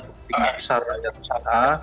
bukti yang besar rakyat besar